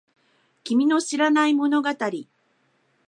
君の知らない物語